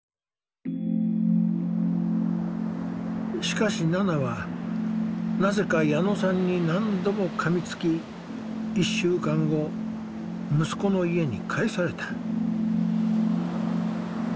しかしナナはなぜか矢野さんに何度もかみつき１週間後息子の家に帰された。